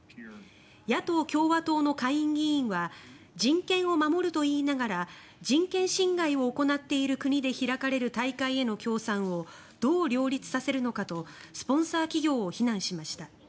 野党・共和党の下院議員は人権を守ると言いながら人権侵害を行っている国で開かれる大会への協賛をどう両立させるのかとスポンサー企業を非難しました。